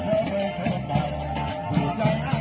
สวัสดีครับทุกคน